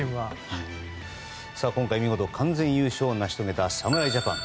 今回見事、完全優勝を成し遂げた侍ジャパン。